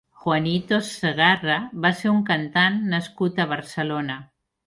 Juanito Segarra va ser un cantant nascut a Barcelona.